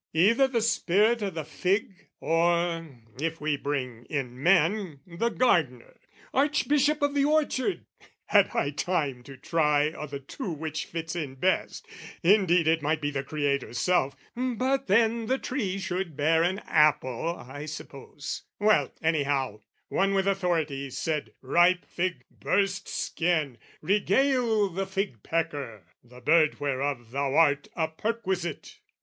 either the spirit o' the fig, "Or, if we bring in men, the gardener, "Archbishop of the orchard had I time "To try o' the two which fits in best: indeed "It might be the Creator's self, but then "The tree should bear an apple, I suppose, "Well, anyhow, one with authority said "'Ripe fig, burst skin, regale the fig pecker "'The bird whereof thou art a perquisite!'